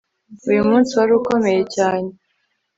Uyu munsi wari ukomeye cyane